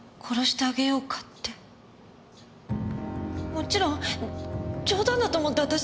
もちろん冗談だと思って私。